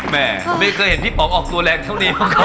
แม่ไม่เคยเห็นพี่ป๋อบออกตัวแรงเท่านี้ไหมพระคอม